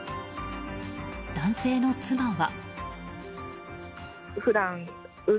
男性の妻は。